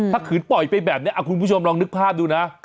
ถ้าขืนปล่อยไปแบบนี้คุณผู้ชมลองนึกภาพดูนะ